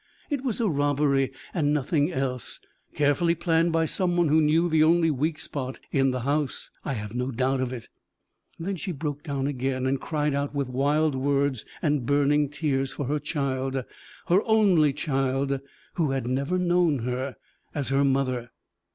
It was a robbery, and nothing else, carefully planned by some one who knew the only weak spot in the house. I have no doubt of it." Then she broke down again, and cried out with wild words and burning tears for her child her only child, who had never known her as her mother.